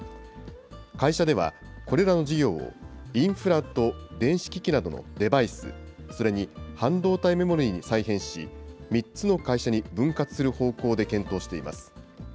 会社では、これらの事業をインフラと電子機器などのデバイス、それに半導体メモリーに再編し、３つの会社に分割する方向で検討しています。